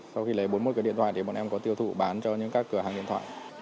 sau khi lấy bốn mươi cái điện thoại thì bọn em có tiêu thụ bán cho những các cửa hàng điện thoại